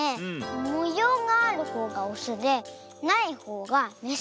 もようがあるほうがオスでないほうがメス！